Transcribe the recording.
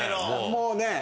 もうね。